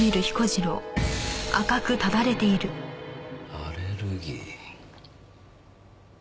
アレルギー。